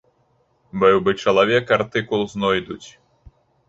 Быў бы чалавек, артыкул знойдуць.